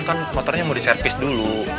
kan motornya mau diservis dulu